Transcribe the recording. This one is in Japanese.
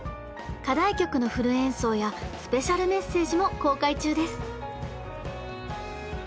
課題曲のフル演奏やスペシャルメッセージも公開中です！